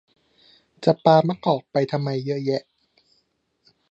จะปามะกอกไปทำไมเยอะแยะ